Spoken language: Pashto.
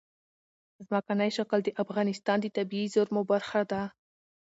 ځمکنی شکل د افغانستان د طبیعي زیرمو برخه ده.